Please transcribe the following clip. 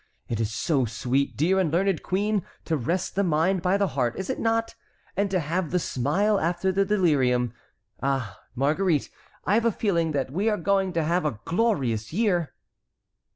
It is so sweet, dear and learned queen, to rest the mind by the heart, is it not? and to have the smile after the delirium. Ah, Marguerite, I have a feeling that we are going to have a glorious year!"